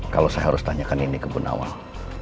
kalau saya harus tanyakan ini ke bu nawang